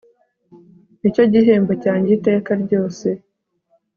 ni cyo gihembo cyanjye iteka ryose